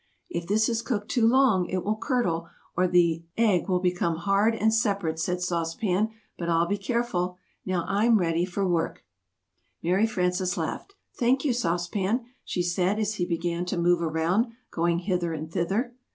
"If this is cooked too long, it will 'curdle' or the be egg will become hard and separate," said Sauce Pan; "but I'll be careful. Now I'm ready for work." [Illustration: "I'll be careful."] Mary Frances laughed. "Thank you, Sauce Pan," she said, as he began to move around, going hither and thither.